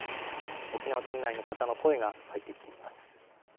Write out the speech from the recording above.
沖縄県内の方の声が入ってきています。